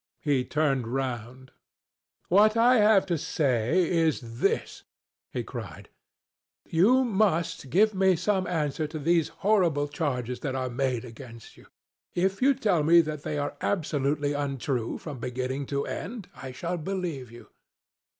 He turned round. "What I have to say is this," he cried. "You must give me some answer to these horrible charges that are made against you. If you tell me that they are absolutely untrue from beginning to end, I shall believe you.